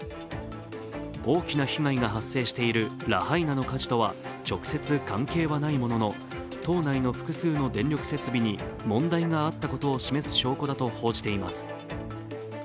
大きな被害が発生しているラハイナの火事とは直接関係はないものの島内の複数の電力設備に問題があったことを示す証拠だとしています。